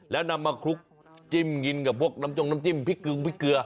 แล้วนำมาคลุกจิ้มกินกับพวกน้ำจงน้ำจิ้มพริกกึงพริกเกลือ